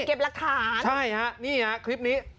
ชั้นถึงไม่เก็บรัคฐาน